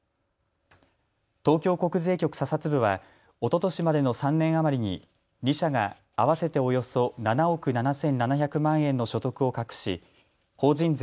東京国税局査察部はおととしまでの３年余りに２社が合わせておよそ７億７７００万円の所得を隠し法人税